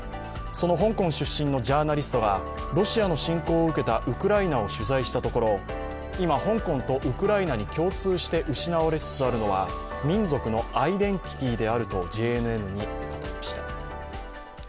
その香港出身のジャーナリストがロシアの侵攻を受けたウクライナを取材したところ今、香港とウクライナに共通して失われつつあるのは民族のアイデンティティーであるとＪＮＮに語りました。